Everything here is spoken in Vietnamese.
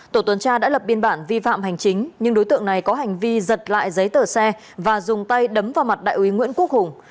tổ tuần tra đã lập biên bản vi phạm hành chính nhưng đối tượng này có hành vi giật lại giấy tờ xe và dùng tay đấm vào mặt đại úy nguyễn quốc hùng